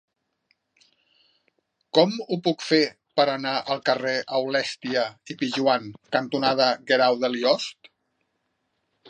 Com ho puc fer per anar al carrer Aulèstia i Pijoan cantonada Guerau de Liost?